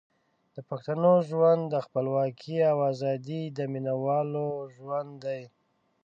د پښتنو ژوند د خپلواکۍ او ازادۍ د مینوالو ژوند دی.